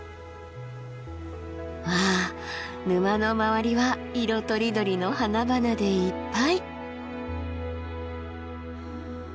わあ沼の周りは色とりどりの花々でいっぱい。